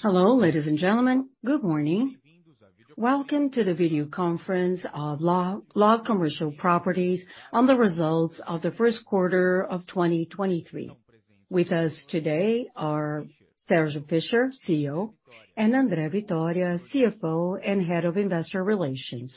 Hello, ladies and gentlemen. Good morning. Welcome to the video conference of LOG Commercial Properties on the results of the first quarter of 2023. With us today are Sergio Fischer, CEO, and André Vitória, CFO and Head of Investor Relations.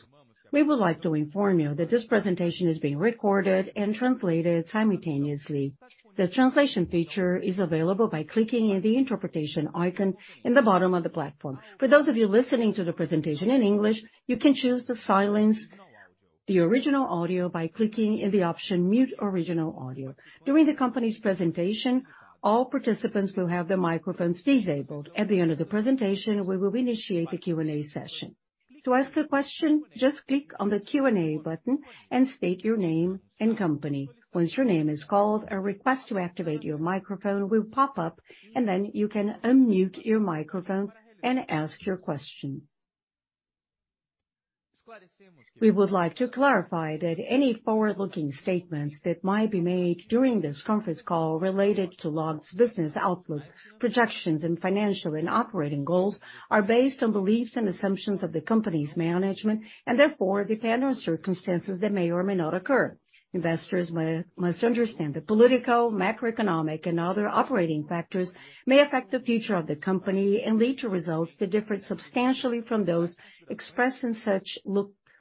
We would like to inform you that this presentation is being recorded and translated simultaneously. The translation feature is available by clicking in the interpretation icon in the bottom of the platform. For those of you listening to the presentation in English, you can choose to silence the original audio by clicking in the option Mute Original Audio. During the company's presentation, all participants will have their microphones disabled. At the end of the presentation, we will initiate a Q&A session. To ask a question, just click on the Q&A button and state your name and company. Once your name is called, a request to activate your microphone will pop up, then you can unmute your microphone and ask your question. We would like to clarify that any forward-looking statements that might be made during this conference call related to LOG's business outlook, projections, and financial and operating goals are based on beliefs and assumptions of the company's management and therefore depend on circumstances that may or may not occur. Investors must understand that political, macroeconomic, and other operating factors may affect the future of the company and lead to results that differ substantially from those expressed in such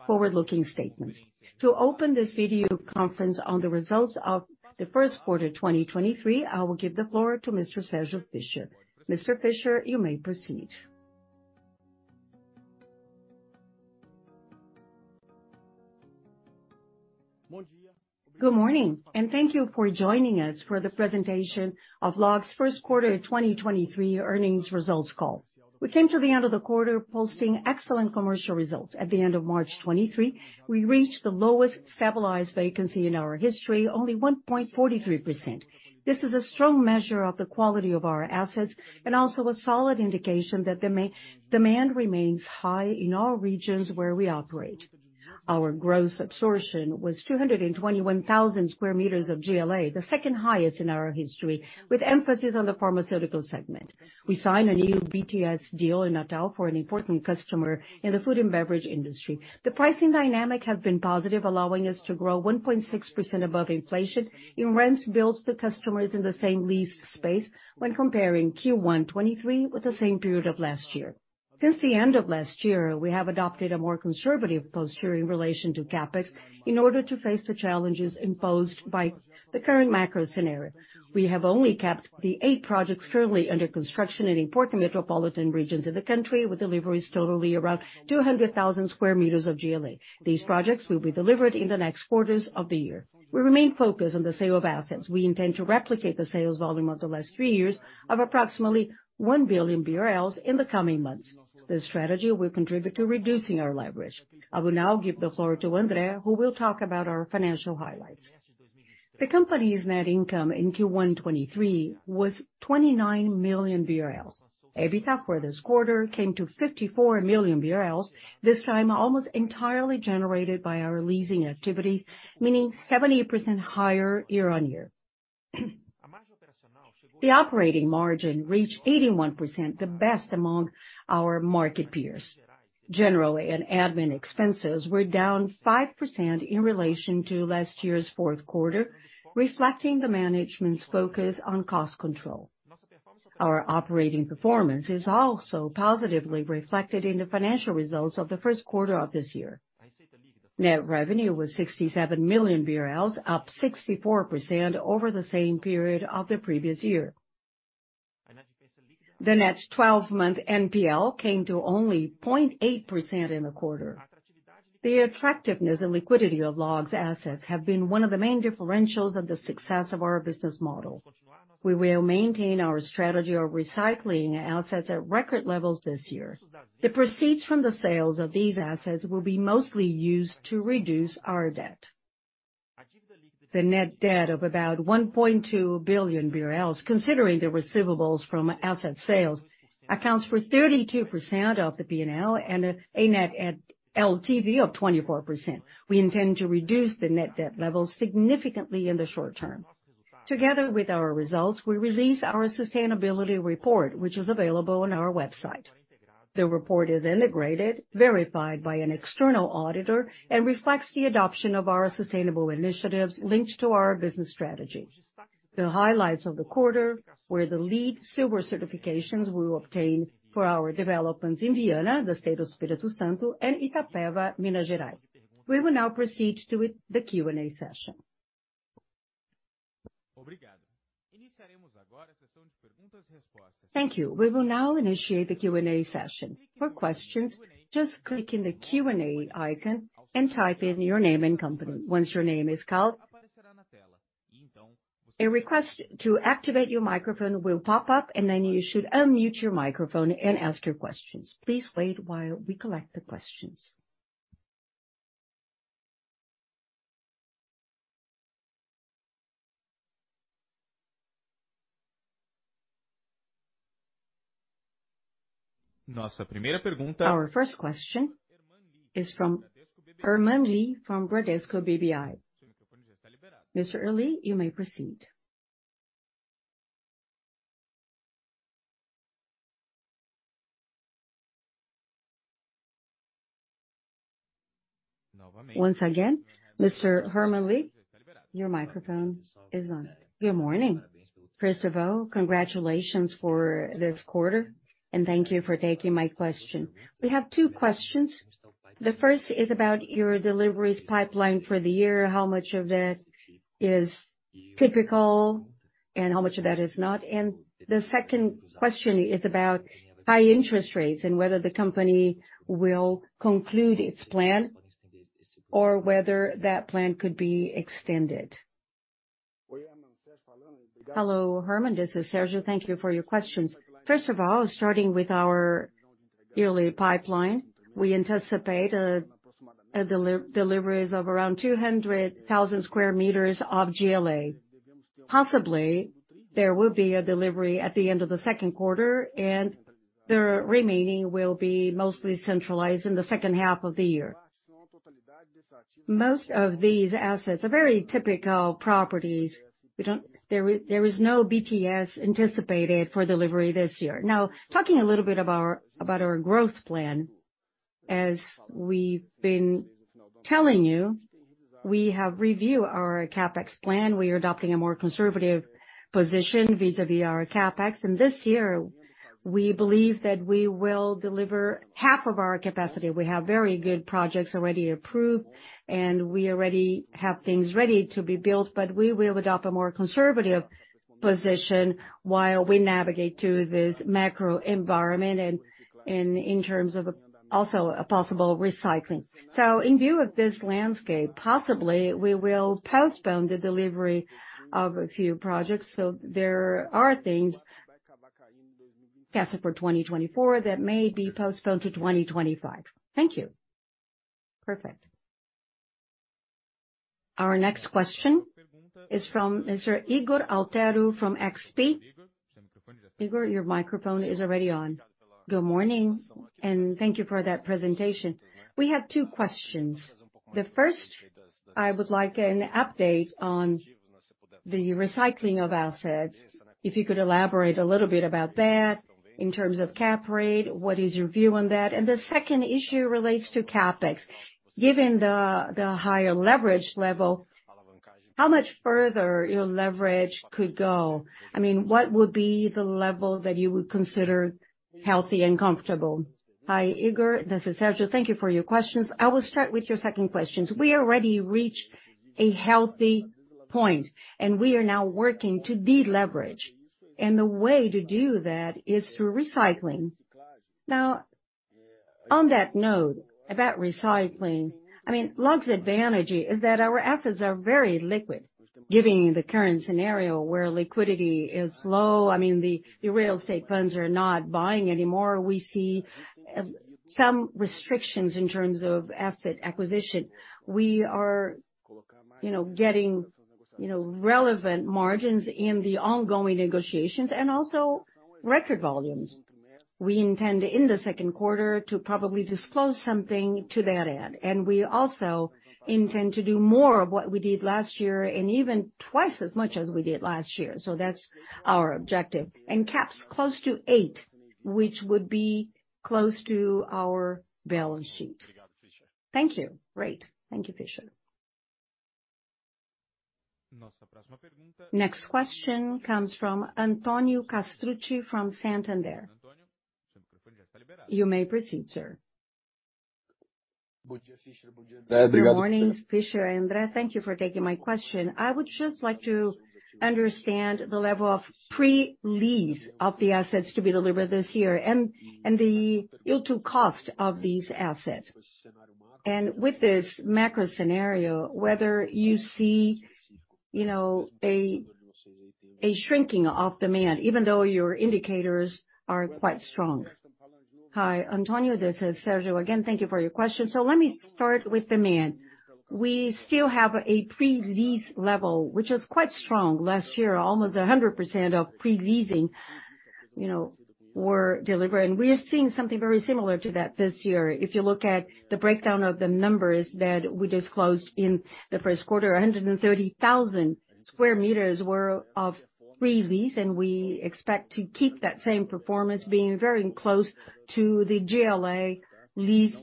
forward-looking statements. To open this video conference on the results of the first quarter 2023, I will give the floor to Mr. Sergio Fischer. Mr. Fischer, you may proceed. Good morning, and thank you for joining us for the presentation of LOG's first quarter 2023 earnings results call. We came to the end of the quarter posting excellent commercial results. At the end of March 2023, we reached the lowest stabilized vacancy in our history, only 1.43%. This is a strong measure of the quality of our assets and also a solid indication that the demand remains high in all regions where we operate. Our gross absorption was 221,000 square meters of GLA, the second highest in our history, with emphasis on the pharmaceutical segment. We signed a new BTS deal in Natal for an important customer in the food and beverage industry. The pricing dynamic has been positive, allowing us to grow 1.6% above inflation in rents built to customers in the same lease space when comparing Q1 2023 with the same period of last year. Since the end of last year, we have adopted a more conservative posture in relation to CapEx in order to face the challenges imposed by the current macro scenario. We have only kept the 8 projects currently under construction in important metropolitan regions of the country with deliveries totaling around 200,000 square meters of GLA. These projects will be delivered in the next quarters of the year. We remain focused on the sale of assets. We intend to replicate the sales volume of the last three years of approximately 1 billion BRL in the coming months. This strategy will contribute to reducing our leverage. I will now give the floor to André, who will talk about our financial highlights. The company's net income in Q1 2023 was 29 million BRL. EBITDA for this quarter came to 54 million BRL, this time almost entirely generated by our leasing activities, meaning 70% higher year-on-year. The operating margin reached 81%, the best among our market peers. General and admin expenses were down 5% in relation to last year's fourth quarter, reflecting the management's focus on cost control. Our operating performance is also positively reflected in the financial results of the first quarter of this year. Net revenue was 67 million BRL, up 64% over the same period of the previous year. The net twelve-month NPL came to only 0.8% in the quarter. The attractiveness and liquidity of LOG's assets have been one of the main differentials of the success of our business model. We will maintain our strategy of recycling assets at record levels this year. The proceeds from the sales of these assets will be mostly used to reduce our debt. The net debt of about 1.2 billion BRL, considering the receivables from asset sales, accounts for 32% of the P&L and a net LTV of 24%. We intend to reduce the net debt levels significantly in the short term. Together with our results, we release our sustainability report, which is available on our website. The report is integrated, verified by an external auditor, and reflects the adoption of our sustainable initiatives linked to our business strategy. The highlights of the quarter were the LEED Silver certifications we obtained for our developments in Viana, the state of Espírito Santo, and Itapeva, Minas Gerais. We will now proceed to the Q&A session. Thank you. We will now initiate the Q&A session. For questions, just click in the Q&A icon and type in your name and company. Once your name is called, a request to activate your microphone will pop up, and then you should unmute your microphone and ask your questions. Please wait while we collect the questions. Our first question is from Herman Lee from Bradesco BBI. Mr. Lee, you may proceed. Once again, Mr. Herman Lee, your microphone is on. Good morning. First of all, congratulations for this quarter, and thank you for taking my question. We have two questions. The first is about your deliveries pipeline for the year. How much of it is typical, and how much of that is not? The second question is about high interest rates and whether the company will conclude its plan or whether that plan could be extended. Hello, Herman. This is Sergio. Thank you for your questions. First of all, starting with our yearly pipeline, we anticipate deliveries of around 200,000 sq m of GLA. Possibly, there will be a delivery at the end of the second quarter, and the remaining will be mostly centralized in the second half of the year. Most of these assets are very typical properties. There is no BTS anticipated for delivery this year. Now, talking a little bit about our growth plan, as we've been telling you, we have reviewed our CapEx plan. We are adopting a more conservative position vis-à-vis our CapEx. This year, we believe that we will deliver half of our capacity. We have very good projects already approved, and we already have things ready to be built, but we will adopt a more conservative position while we navigate through this macro environment and in terms of also a possible recycling. In view of this landscape, possibly we will postpone the delivery of a few projects. There are things tested for 2024 that may be postponed to 2025. Thank you. Perfect. Our next question is from Mr. Ygor Altero from XP. Igor, your microphone is already on. Good morning, and thank you for that presentation. We have two questions. The first, I would like an update on the recycling of assets. If you could elaborate a little bit about that in terms of cap rate, what is your view on that? The second issue relates to CapEx. Given the higher leverage level, how much further your leverage could go? I mean, what would be the level that you would consider healthy and comfortable? Hi, Ygor. This is Sergio. Thank you for your questions. I will start with your second questions. We already reached a healthy point, and we are now working to deleverage. The way to do that is through recycling. On that note about recycling, I mean, LOG's advantage is that our assets are very liquid, giving the current scenario where liquidity is low. I mean, the real estate funds are not buying anymore. We see some restrictions in terms of asset acquisition. We are, you know, getting, you know, relevant margins in the ongoing negotiations and also record volumes. We intend in the second quarter to probably disclose something to that end. We also intend to do more of what we did last year and even 2x as much as we did last year. That's our objective. Caps close to eight, which would be close to our balance sheet. Thank you. Great. Thank you, Fischer. Next question comes from Antonio Castrucci from Santander. You may proceed, sir. Good morning, Fischer and André. Thank you for taking my question. I would just like to understand the level of pre-lease of the assets to be delivered this year and the yield on cost of these assets. With this macro scenario, whether you see, you know, a shrinking of demand, even though your indicators are quite strong. Hi, Antonio. This is Sergio again. Thank you for your question. Let me start with demand. We still have a pre-lease level, which was quite strong last year, almost 100% of pre-leasing, you know, were delivered. We are seeing something very similar to that this year. If you look at the breakdown of the numbers that we disclosed in the first quarter, 130,000 square meters were of pre-lease, and we expect to keep that same performance being very close to the GLA lease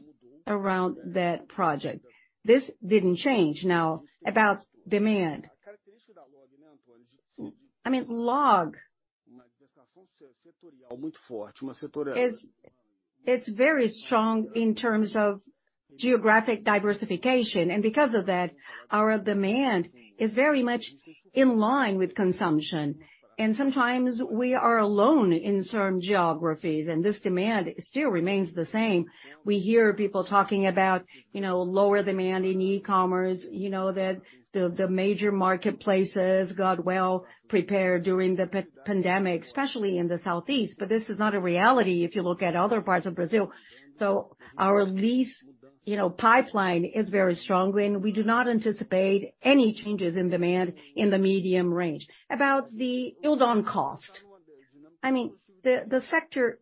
around that project. This didn't change. Now, about demand. I mean, LOG is very strong in terms of geographic diversification. Because of that, our demand is very much in line with consumption. Sometimes we are alone in certain geographies, and this demand still remains the same. We hear people talking about, you know, lower demand in e-commerce, you know, that the major marketplaces got well prepared during the pandemic, especially in the southeast, this is not a reality if you look at other parts of Brazil. Our lease, you know, pipeline is very strong, we do not anticipate any changes in demand in the medium range. About the yield on cost. I mean, the sector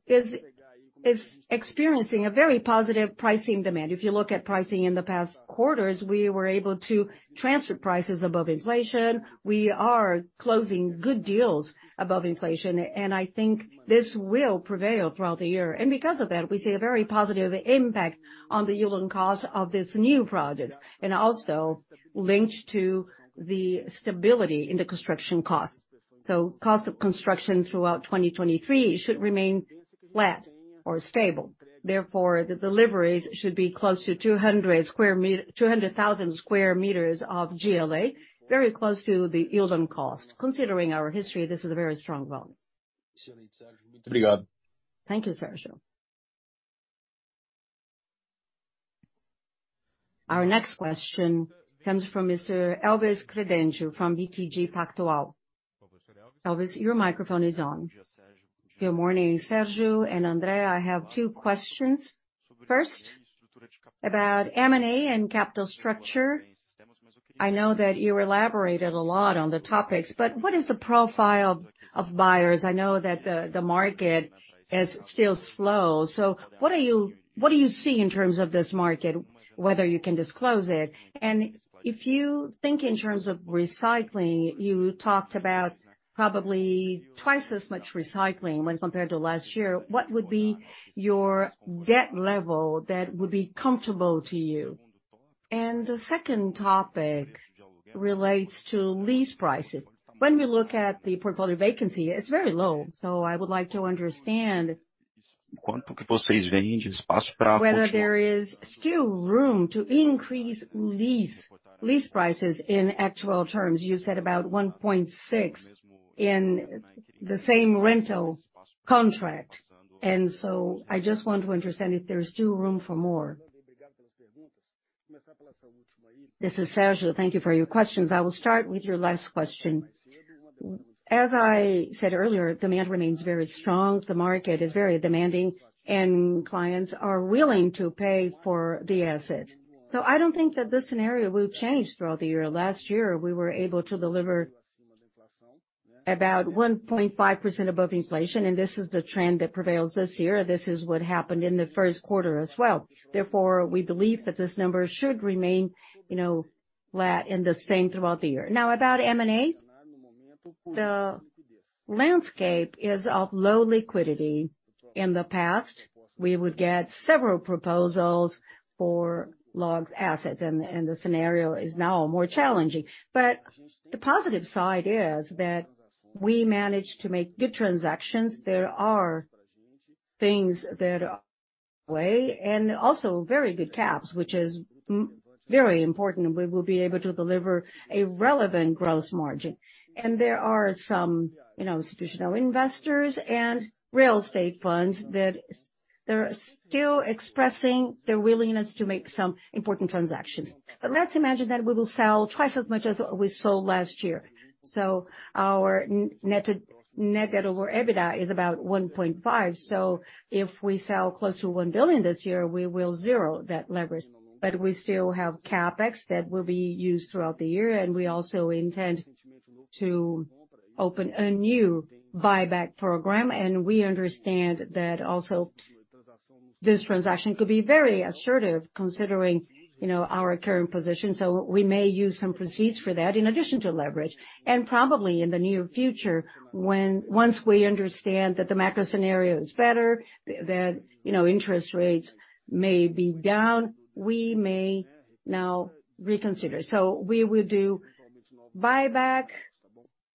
is experiencing a very positive pricing demand. If you look at pricing in the past quarters, we were able to transfer prices above inflation. We are closing good deals above inflation. I think this will prevail throughout the year. Because of that, we see a very positive impact on the yield on cost of these new projects, also linked to the stability in the construction costs. Cost of construction throughout 2023 should remain flat or stable. Therefore, the deliveries should be close to 200,000 sq m of GLA, very close to the yield on cost. Considering our history, this is a very strong volume. Thank you, Sergio. Our next question comes from Mr. Elvis Credendio from BTG Pactual. Elvis, your microphone is on. Good morning, Sergio and André. I have two questions. First, about M&A and capital structure. I know that you elaborated a lot on the topics, what is the profile of buyers? I know that the market is still slow. What do you see in terms of this market, whether you can disclose it? If you think in terms of recycling, you talked about probably twice as much recycling when compared to last year. What would be your debt level that would be comfortable to you? The second topic relates to lease prices. When we look at the portfolio vacancy, it's very low. I would like to understand whether there is still room to increase lease prices in actual terms. You said about 1.6 in the same rental contract. I just want to understand if there is still room for more. This is Sergio. Thank you for your questions. I will start with your last question. As I said earlier, demand remains very strong. The market is very demanding, and clients are willing to pay for the asset. I don't think that this scenario will change throughout the year. Last year, we were able to deliver about 1.5% above inflation, and this is the trend that prevails this year. This is what happened in the first quarter as well. We believe that this number should remain, you know, flat and the same throughout the year. About M&As, the landscape is of low liquidity. In the past, we would get several proposals for LOG's assets, and the scenario is now more challenging. The positive side is that we managed to make good transactions. There are things that are way and also very good caps, which is very important, and we will be able to deliver a relevant gross margin. There are some, you know, institutional investors and real estate funds that they're still expressing their willingness to make some important transactions. Let's imagine that we will sell twice as much as we sold last year. Our net debt over EBITDA is about 1.5%. If we sell close to 1 billion this year, we will zero that leverage. We still have CapEx that will be used throughout the year, and we also intend to open a new buyback program. We understand that also this transaction could be very assertive considering, you know, our current position. We may use some proceeds for that in addition to leverage. Probably in the near future, once we understand that the macro scenario is better, that, you know, interest rates may be down, we may now reconsider. We will do buyback,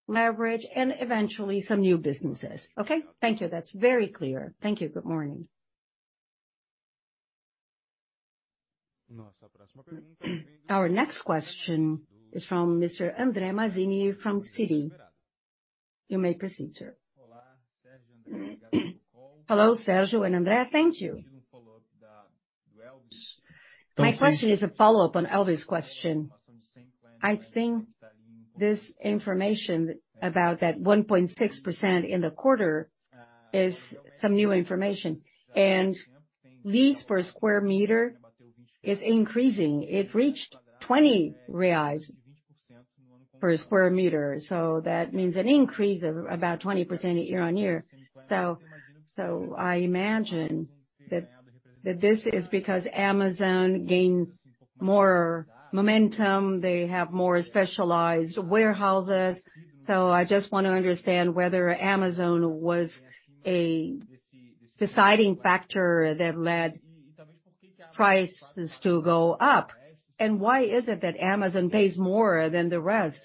leverage, and eventually some new businesses. Okay? Thank you. That's very clear. Thank you. Good morning. Our next question is from Mr. Andre Mazini from Citi. You may proceed, sir. Hello, Sergio and André. Thank you. My question is a follow-up on Elvis' question. I think this information about that 1.6% in the quarter is some new information. Lease per square meter is increasing. It reached 20 reais per square meter. That means an increase of about 20% year-on-year. I imagine that this is because Amazon gained more momentum. They have more specialized warehouses. I just wanna understand whether Amazon was a deciding factor that led prices to go up. Why is it that Amazon pays more than the rest?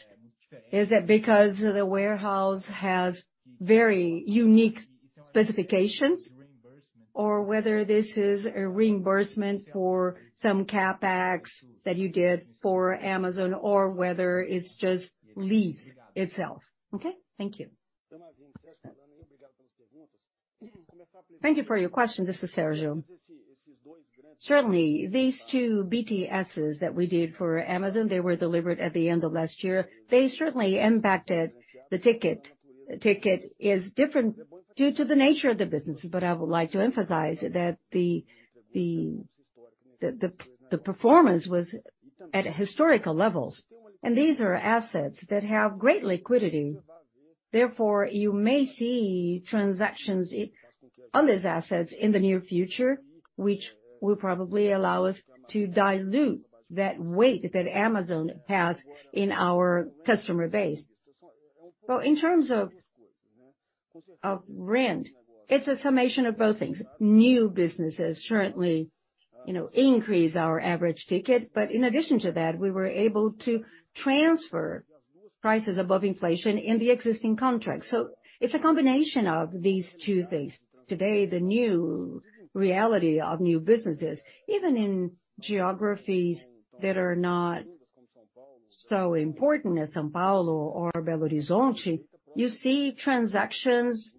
Is it because the warehouse has very unique specifications, or whether this is a reimbursement for some CapEx that you did for Amazon, or whether it's just lease itself? Okay, thank you. Thank you for your question. This is Sergio. Certainly, these two BTSs that we did for Amazon, they were delivered at the end of last year. They certainly impacted the ticket. Ticket is different due to the nature of the business, but I would like to emphasize that the performance was at historical levels, and these are assets that have great liquidity. Therefore, you may see transactions on these assets in the near future, which will probably allow us to dilute that weight that Amazon has in our customer base. In terms of rent, it's a summation of both things. New businesses currently, you know, increase our average ticket. In addition to that, we were able to transfer prices above inflation in the existing contracts. It's a combination of these two things. Today, the new reality of new businesses, even in geographies that are not so important as São Paulo or Belo Horizonte, you see transactions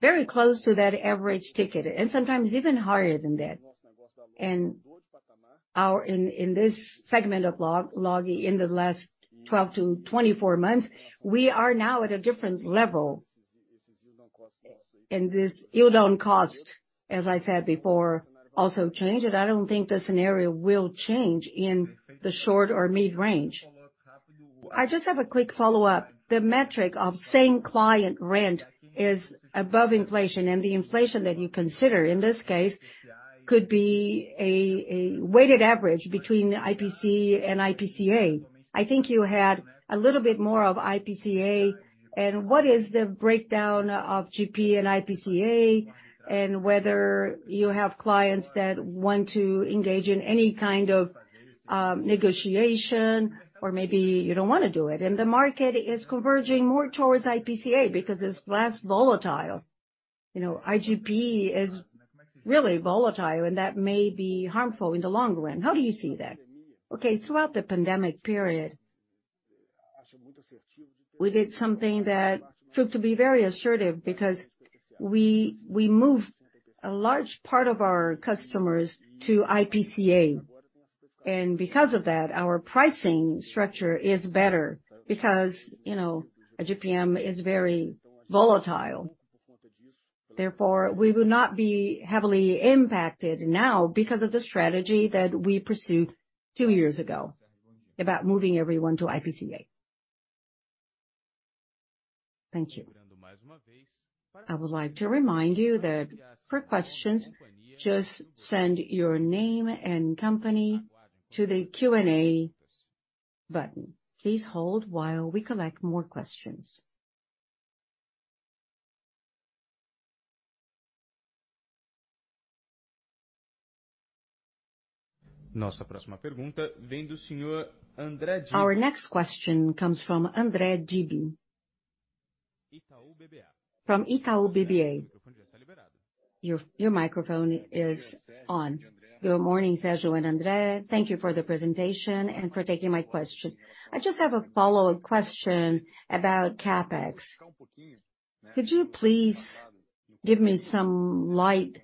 very close to that average ticket and sometimes even higher than that. In this segment of LOG in the last 12-24 months, we are now at a different level. This yield on cost, as I said before, also changed. I don't think the scenario will change in the short or mid-range. I just have a quick follow-up. The metric of same client rent is above inflation, and the inflation that you consider in this case could be a weighted average between IGP-M and IPCA. I think you had a little bit more of IPCA. What is the breakdown of IGP and IPCA, and whether you have clients that want to engage in any kind of negotiation or maybe you don't wanna do it. The market is converging more towards IPCA because it's less volatile. You know, IGP is really volatile, and that may be harmful in the long run. How do you see that? Okay. Throughout the pandemic period, we did something that proved to be very assertive because we moved a large part of our customers to IPCA. Because of that, our pricing structure is better because, you know, IGPM is very volatile. Therefore, we will not be heavily impacted now because of the strategy that we pursued two years ago about moving everyone to IPCA. Thank you. I would like to remind you that for questions, just send your name and company to the Q&A button. Please hold while we collect more questions. Our next question comes from André Dibe from Itaú BBA. Your microphone is on. Good morning, Sergio and André. Thank you for the presentation and for taking my question. I just have a follow-up question about CapEx. Could you please give me some light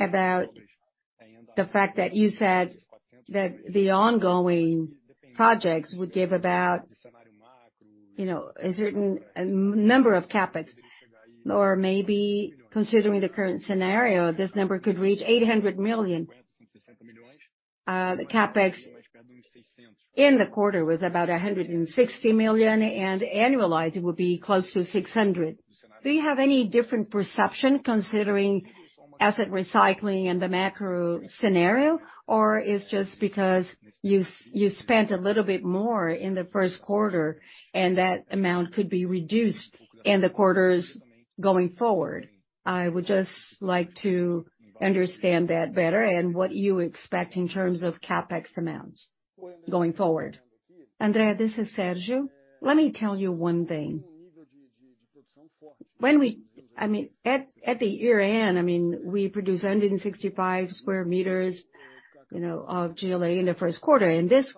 about the fact that you said that the ongoing projects would give about, you know, a certain number of CapEx? Or maybe considering the current scenario, this number could reach 800 million. The CapEx in the quarter was about 160 million, and annualized it would be close to 600 million. Do you have any different perception considering asset recycling and the macro scenario, or it's just because you spent a little bit more in the first quarter and that amount could be reduced in the quarters going forward? I would just like to understand that better and what you expect in terms of CapEx amounts going forward. André, this is Sergio. Let me tell you one thing. I mean, at the year-end, I mean, we produced 165 square meters, you know, of GLA in the first quarter. This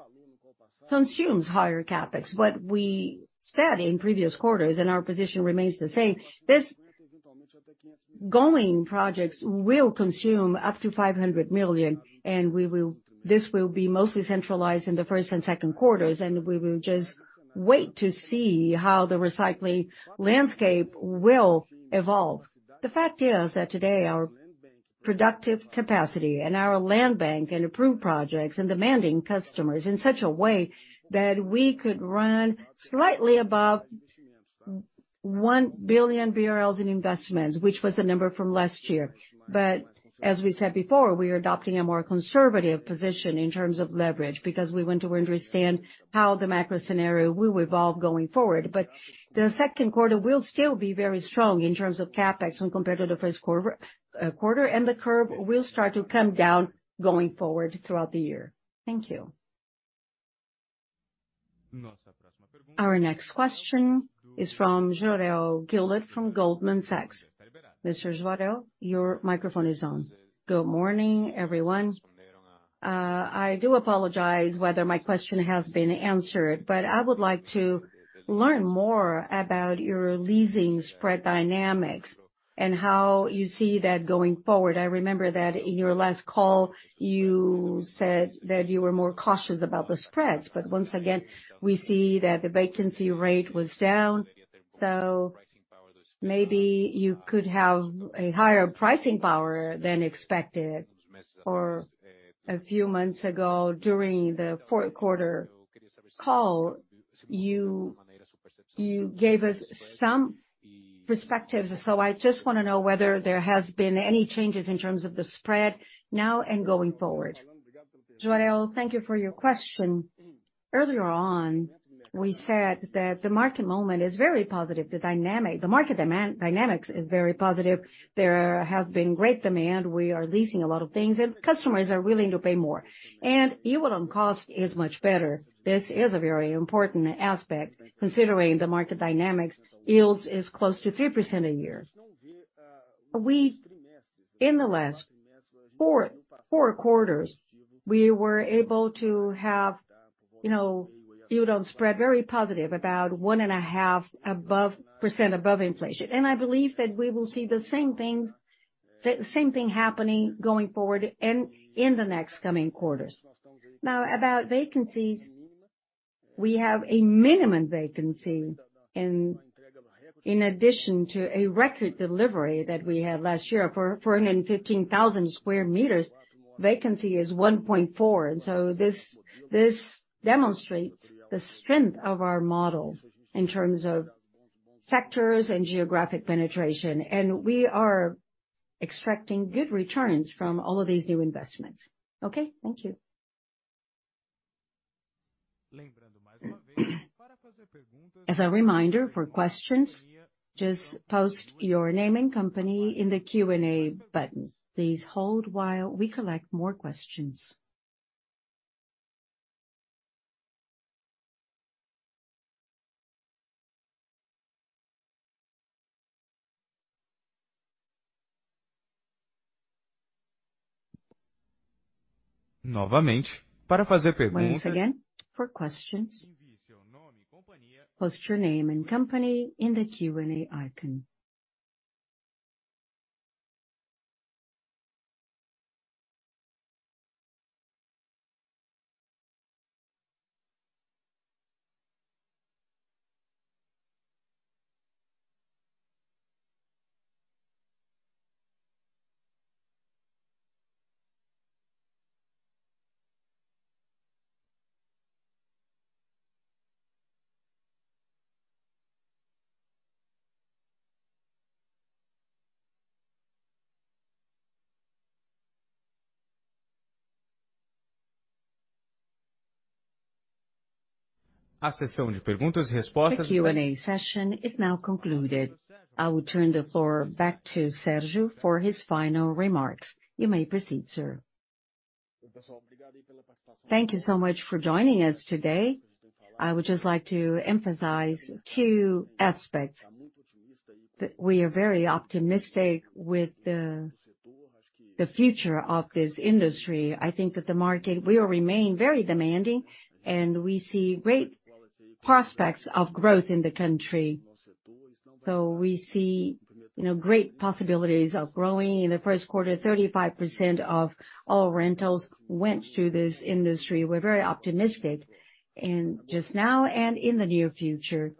consumes higher CapEx. What we said in previous quarters, and our position remains the same, this ongoing projects will consume up to 500 million. This will be mostly centralized in the first and second quarters, and we will just wait to see how the recycling landscape will evolve. The fact is that today, our productive capacity and our land bank and approved projects and demanding customers in such a way that we could run slightly above 1 billion BRL in investments, which was the number from last year. As we said before, we are adopting a more conservative position in terms of leverage because we want to understand how the macro scenario will evolve going forward. The second quarter will still be very strong in terms of CapEx when compared to the first quarter. The curve will start to come down going forward throughout the year. Thank you. Our next question is from Jorel Guilloty from Goldman Sachs. Mr. Jorel, your microphone is on. Good morning, everyone. I do apologize whether my question has been answered, but I would like to learn more about your leasing spread dynamics and how you see that going forward. I remember that in your last call, you said that you were more cautious about the spreads. Once again, we see that the vacancy rate was down. So maybe you could have a higher pricing power than expected. A few months ago, during the fourth quarter call, you gave us some perspectives. I just want to know whether there has been any changes in terms of the spread now and going forward. Jorel, thank you for your question. Earlier on, we said that the market moment is very positive. The market dynamics is very positive. There has been great demand. We are leasing a lot of things, and customers are willing to pay more. EBITDA on cost is much better. This is a very important aspect considering the market dynamics. Yields is close to 3% a year. In the last four quarters, we were able to have, you know, EBITDA on spread very positive, about one and a half percent above inflation. I believe that we will see the same thing happening going forward in the next coming quarters. Now, about vacancies, we have a minimum vacancy in addition to a record delivery that we had last year. For 115,000 square meters, vacancy is 1.4%. This demonstrates the strength of our model in terms of sectors and geographic penetration. We are expecting good returns from all of these new investments. Okay. Thank you. As a reminder, for questions, just post your name and company in the Q&A button. Please hold while we collect more questions. Once again, for questions, post your name and company in the Q&A icon. The Q&A session is now concluded. I will turn the floor back to Sergio for his final remarks. You may proceed, sir. Thank you so much for joining us today. I would just like to emphasize two aspects. We are very optimistic with the future of this industry. I think that the market will remain very demanding, and we see great prospects of growth in the country. We see, you know, great possibilities of growing. In the first quarter, 35% of all rentals went to this industry. We're very optimistic just now and in the near future.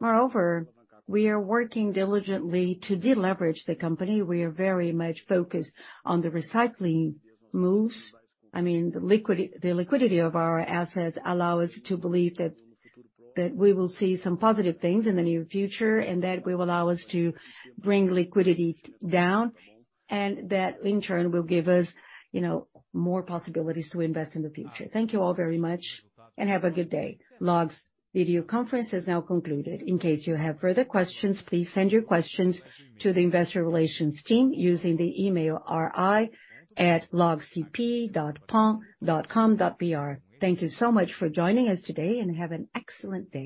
Moreover, we are working diligently to deleverage the company. We are very much focused on the recycling moves. I mean, the liquidity of our assets allow us to believe that we will see some positive things in the near future, and that will allow us to bring liquidity down, and that, in turn, will give us, you know, more possibilities to invest in the future. Thank you all very much and have a good day. LOG's video conference is now concluded. In case you have further questions, please send your questions to the investor relations team using the email ri@logcp.com.br. Thank you so much for joining us today, and have an excellent day.